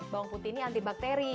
bawang putih ini antibakteri